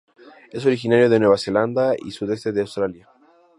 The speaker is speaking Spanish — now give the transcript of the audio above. Es originario de Nueva Zelanda y sudeste de Australia.